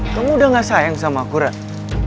kamu udah gak sayang sama aku rai